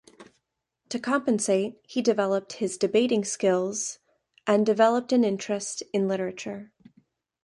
To compensate, he developed his debating skills and developed an interest in literature.